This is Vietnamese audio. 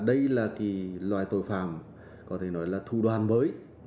đây là loài tội phạm có thể nói là thu đoàn bới